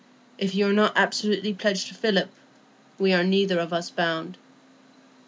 If you are not absolutely pledged to Philip, we are neither of us bound."